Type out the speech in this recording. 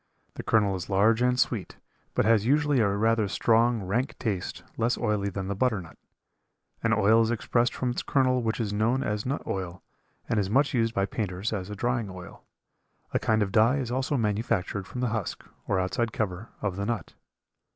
The kernel is large and sweet, but has usually a rather strong, rank taste, less oily than the butternut. An oil is expressed from its kernel which is known as nut oil, and is much used by painters as a drying oil. A kind of dye is also manufactured from the husk, or outside cover, of the nut.